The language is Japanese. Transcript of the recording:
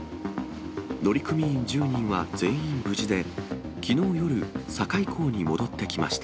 乗組員１０人は全員無事で、きのう夜、境港に戻ってきました。